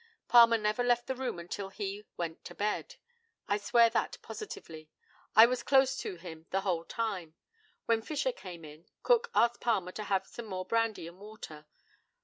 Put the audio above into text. Palmer never left the room until he went to bed. I swear that positively. I was close to him the whole time. When Fisher came in, Cook asked Palmer to have some more brandy and water.